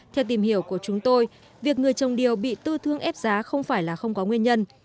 theo tìm hiểu của chúng tôi việc người trồng điều bị tư thương ép giá không phải là không có nguyên nhân